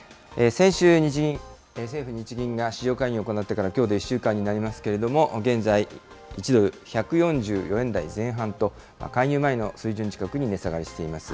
先週、政府・日銀が市場介入を行ってからきょうで１週間になりますけれども、現在、１ドル１４４円台前半と、介入前の水準近くに値下がりしています。